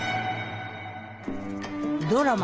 ドラマ